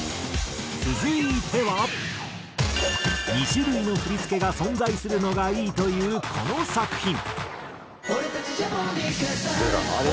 ２種類の振付が存在するのがいいというこの作品。